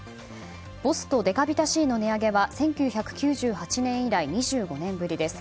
ＢＯＳＳとデカビタＣの値上げは１９９８年以来２５年ぶりです。